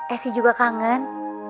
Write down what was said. esi juga kangen